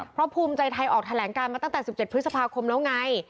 เพราะภูมิใจไทยออกแถลงการมาตั้งแต่๑๗พฤษภาคมแล้วไง